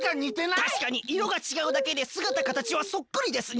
たしかにいろがちがうだけですがたかたちはそっくりですね。